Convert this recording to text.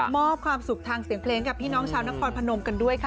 มอบความสุขทางเสียงเพลงกับพี่น้องชาวนครพนมกันด้วยค่ะ